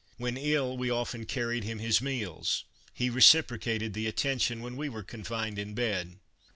When ill we often carried him his meals, he reciprocating the attention when we were confined in bed.